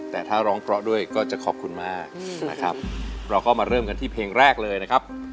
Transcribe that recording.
แต่ถ้าร้องเพราะด้วยก็จะขอบคุณมากนะครับเราก็มาเริ่มกันที่เพลงแรกเลยนะครับ